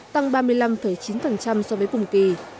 tăng ba mươi năm chín so với cùng kỳ